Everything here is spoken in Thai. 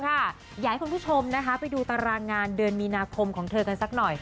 อยากให้คุณผู้ชมไปดูตารางงานเดือนมีนาคมของเธอกันสักหน่อย